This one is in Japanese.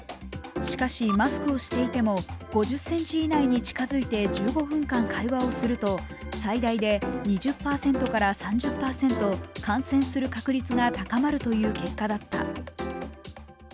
しかしマスクをしていても５０ｃｍ以内に近づいて１５分会話をすると最大で２０％から３０％感染する確率が高まるという結果だった。